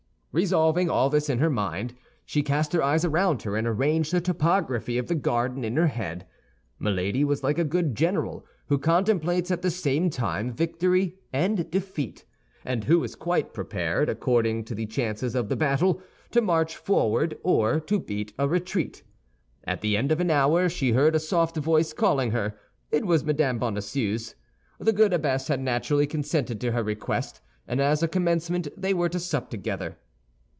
Revolving all this in her mind, she cast her eyes around her, and arranged the topography of the garden in her head. Milady was like a good general who contemplates at the same time victory and defeat, and who is quite prepared, according to the chances of the battle, to march forward or to beat a retreat. At the end of an hour she heard a soft voice calling her; it was Mme. Bonacieux's. The good abbess had naturally consented to her request; and as a commencement, they were to sup together.